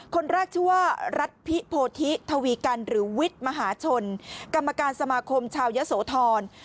คนแรกชื่อว่ารัฐพิโพธิทวีกันหรือวิทย์มหาชนกรรมการสมาคมชาวยะโสธร